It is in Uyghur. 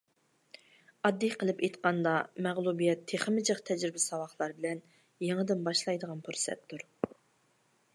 ئاددىي قىلىپ ئېيتقاندا مەغلۇبىيەت تېخىمۇ جىق تەجرىبە-ساۋاقلار بىلەن يېڭىدىن باشلايدىغان پۇرسەتتۇر.